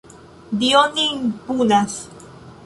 Dio nin punas!